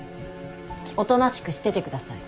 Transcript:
おとなしくしててください。